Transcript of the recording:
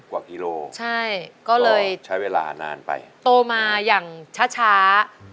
๓๐กว่าคิโลก็ใช้เวลานานไปใช่ก็เลยโตมาอย่างช้า